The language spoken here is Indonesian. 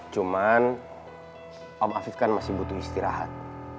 cuman om afif kan masih butuh istirahat